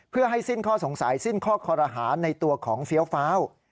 เพื่อให้สิ้นข้อสงสัยสิ้นข้อคอรหาในตัวของเฟี้ยวฟ้าว